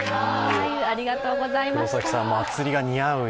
黒崎さん、祭りが似合うよ。